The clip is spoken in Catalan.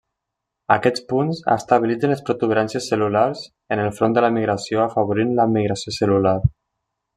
Aquests punts estabilitzen les protuberàncies cel·lulars en el front de migració afavorint la migració cel·lular.